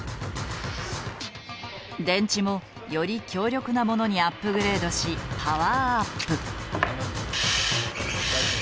電池もより強力なものにアップグレードしパワーアップ。